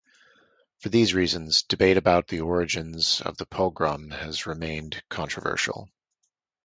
For these reasons, debate about the origins of the pogrom has remained controversial.